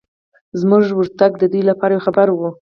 زموږ ورتګ دوی لپاره یو خبر و.